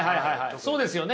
そうですよね。